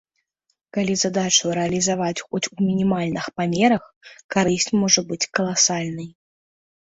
Калі задачу рэалізаваць хоць у мінімальных памерах, карысць можа быць каласальнай.